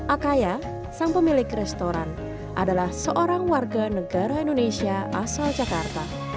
akaya sang pemilik restoran adalah seorang warga negara indonesia asal jakarta